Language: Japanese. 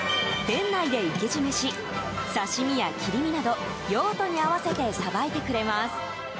店内で生け締めし刺し身や切り身など用途に合わせてさばいてくれます。